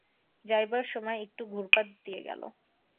যাইবার সময় একটু ঘুরপথ দিয়া গেল।